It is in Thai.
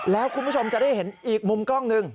แล้วคุณผู้ชมจะได้เห็นอีกมุมกล้องหนึ่ง